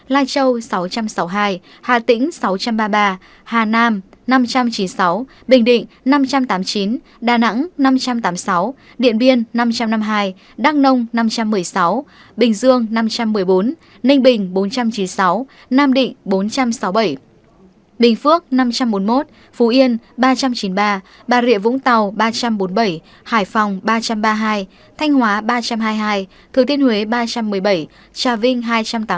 lai châu sáu trăm sáu mươi hai hà tĩnh sáu trăm ba mươi ba hà nam năm trăm chín mươi sáu bình định năm trăm tám mươi chín đà nẵng năm trăm tám mươi sáu điện biên năm trăm năm mươi hai đăng nông năm trăm một mươi sáu bình dương năm trăm một mươi bốn ninh bình bốn trăm chín mươi sáu nam định bốn trăm sáu mươi bảy bình phước năm trăm bốn mươi một phú yên ba trăm chín mươi ba bà rịa vũng tàu ba trăm bốn mươi bảy hải phòng ba trăm ba mươi hai thanh hóa ba trăm hai mươi hai thừa tiên huế ba trăm một mươi bảy trà vinh hai trăm tám mươi